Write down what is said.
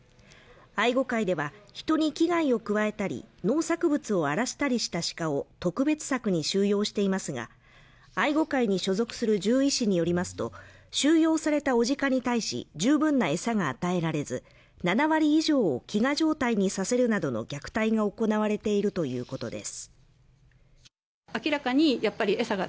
愛護会では、人に危害を加えたり、農作物を荒らしたりしたシカを特別柵に収容していますが、愛護会に所属する獣医師によりますと、収容された雄ジカに対し、十分な餌が与えられず、７割以上を飢餓状態にさせるなどの虐待が行われているということです。